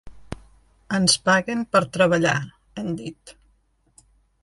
“Ens paguen per treballar”, han dit.